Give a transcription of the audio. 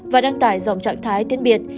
và đăng tải dòng trạng thái tiến biệt